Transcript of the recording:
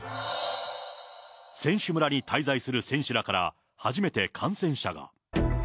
選手村に滞在する選手らから、初めて感染者が。